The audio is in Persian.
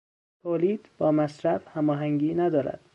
تولید با مصرف هماهنگی ندارد.